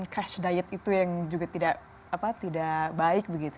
cash diet itu yang juga tidak baik begitu